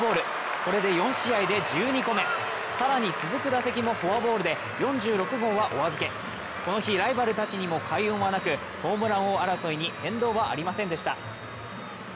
これで４試合で１２個目、更に続く打席もフォアボールで４６号はお預け、この日ライバルたちにも快音はなくホームラン王争いに変動はありませんでした。